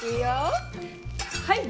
はい！